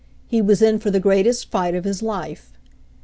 He was in for the greatest fight of his life.